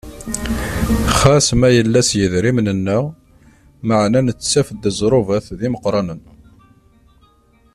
Ɣas ma yella s yidrimen-nneɣ, meɛna nettaf-d ẓẓrubat d imeqqranen.